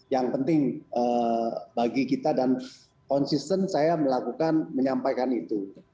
yang penting bagi kita dan konsisten saya melakukan menyampaikan itu